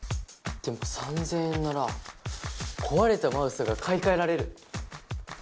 でも３０００円なら壊れたマウスが買い替えられる。